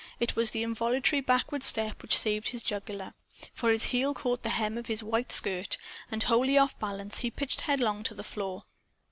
It was the involuntary backward step which saved his jugular. For his heel caught in the hem of his white skirt. And wholly off balance, he pitched headlong to the floor.